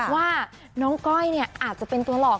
ว่าน้องก้อยเนี่ยอาจจะเป็นตัวหลอก